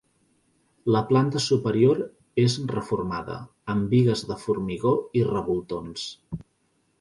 La planta superior és reformada, amb bigues de formigó i revoltons.